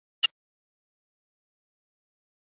灰林鸽为鸠鸽科鸽属的鸟类。